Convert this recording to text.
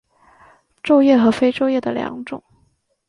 皱叶和非皱叶的两种。